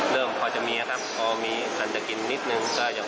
เริ่มพ่อเจ้าเมียครับพ่อมีกันจะกินนิดนึง